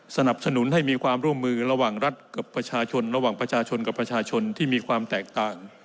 สนับสนุนให้มีความร่วมมือระหว่างรัฐกับประชาชนระหว่างประชาชนกับประชาชนที่มีความแตกต่าง